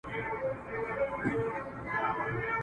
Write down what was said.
د جرگې ټولو ښاغلو موږكانو.